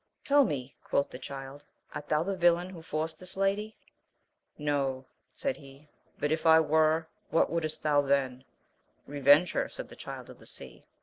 Tell me, quoth the Child, art thou the villain who forced this lady] No, said he, but if I were, what wouldst thou then 1 Eevenge her, said the Child of the Sea.